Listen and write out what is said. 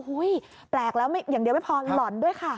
แปลกแล้วอย่างเดียวไม่พอหล่อนด้วยค่ะ